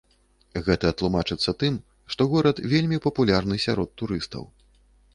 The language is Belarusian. Гэта тлумачыцца тым, што горад вельмі папулярны сярод турыстаў.